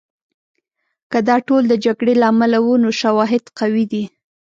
که دا ټول د جګړې له امله وو، نو شواهد قوي دي.